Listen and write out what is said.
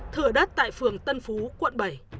thửa đất tại phường tân phú quận bảy